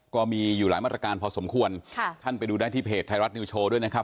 ก็มีอยู่หลายมาตรการพอสมควรค่ะท่านไปดูได้ที่เพจไทยรัฐนิวโชว์ด้วยนะครับ